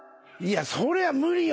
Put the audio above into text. そりゃ無理よ！